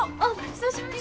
久しぶり！